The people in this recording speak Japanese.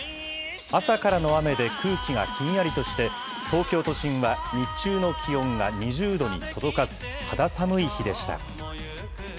朝からの雨で空気がひんやりとして、東京都心は日中の気温が２０度に届かず、肌寒い日でした。